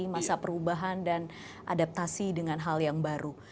masa perubahan dan adaptasi dengan hal yang baru